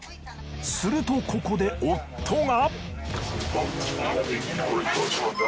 するとここで夫が。